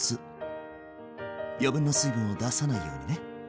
余分な水分を出さないようにね。